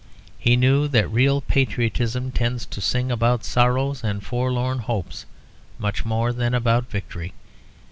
He knew that real patriotism tends to sing about sorrows and forlorn hopes much more than about victory.